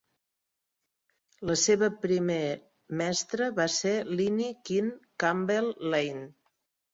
La seva primer mestra va ser Linnie Keen Campbell Lane.